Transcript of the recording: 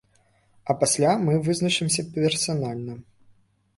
А пасля мы вызначымся персанальна.